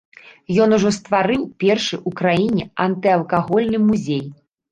Ён ужо стварыў першы ў краіне антыалкагольны музей.